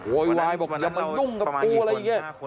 โหยบอกอย่ามายุ่งกับครูอะไรเงี้ย